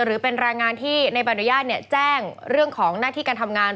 หรือเป็นแรงงานที่ในใบอนุญาตแจ้งเรื่องของหน้าที่การทำงาน